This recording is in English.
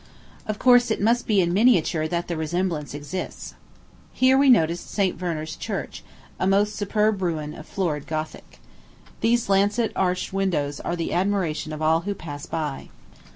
Of course, it must be in miniature that the resemblance exists. Here we noticed St. Werner's Church, a most superb ruin of the florid Gothic. Those lancet arched windows are the admiration of all who pass by.